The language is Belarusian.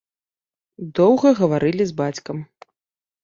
Доўга гаварылі з бацькам.